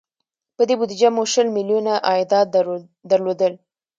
په دې بودجه مو شل میلیونه عایدات درلودل.